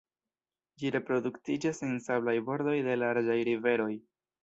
Ĝi reproduktiĝas en sablaj bordoj de larĝaj riveroj.